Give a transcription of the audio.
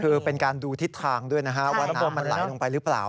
คือเป็นการดูทิศทางด้วยนะฮะว่าน้ำมันไหลลงไปหรือเปล่า